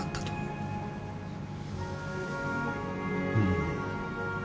うん。